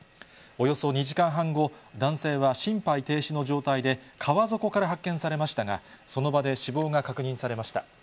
およそ２時間半後、男性は心肺停止の状態で川底から発見されましたが、その場で死亡が確認されました。